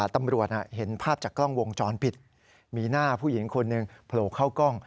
ตำรวจเห็นภาพจากกล้องวงจรปิดมีหน้าผู้หญิงคนหนึ่งโผล่เข้ากล้อง